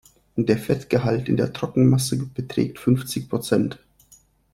Der Fettgehalt in der Trockenmasse beträgt fünfzig Prozent.